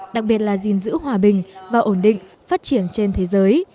đặc biệt là gìn giữ hòa bình và ổn định phát triển trên thế giới